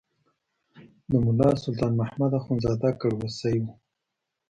د ملا سلطان محمد اخندزاده کړوسی و.